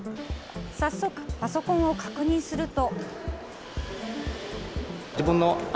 早速パソコンを確認すると。